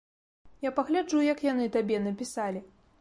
Я пагляджу, як яны табе напісалі.